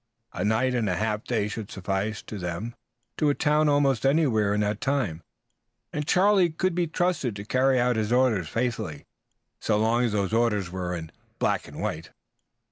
A night and a half day should suffice to them to a town almost anywhere in that time, and Charlie could be trusted to carry out his orders faithfully so long as those orders were in black and white.